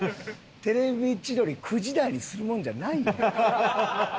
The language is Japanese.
『テレビ千鳥』９時台にするもんじゃないよ。